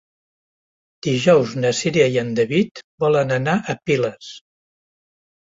Dijous na Cira i en David volen anar a Piles.